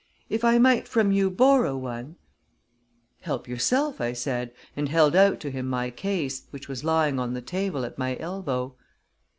If I might from you borrow one " "Help yourself," I said, and held out to him my case, which was lying on the table at my elbow.